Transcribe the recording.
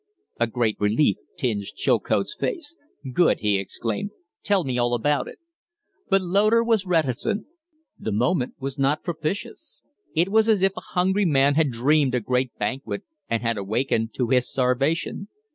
A great relief tinged Chilcote's face. "Good!" he exclaimed. "Tell me all about it." But Loder was reticent. The moment was not propitious. It was as if a hungry man had dreamed a great banquet and had awakened to his starvation.